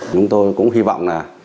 chúng tôi cũng hy vọng là